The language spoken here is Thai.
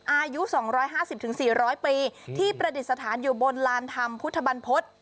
อายุ๒๕๐๔๐๐ปีที่ประดิษฐานอยู่บนลานธรรมพุทธบรรพฤษ